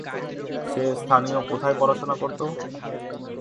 সে স্থানীয় কোথায় পড়াশোনা করত?